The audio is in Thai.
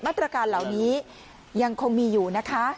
ตรการเหล่านี้ยังคงมีอยู่นะคะ